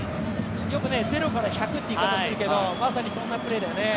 よく０から１００という言い方をするけどまさにそんなプレーだよね。